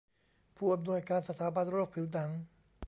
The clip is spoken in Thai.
ผู้อำนวยการสถาบันโรคผิวหนัง